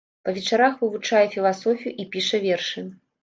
Па вечарах вывучае філасофію і піша вершы.